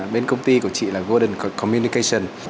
bên công ty của chị là golden communication